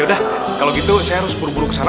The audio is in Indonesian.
yaudah kalau gitu saya harus buru buru ke sana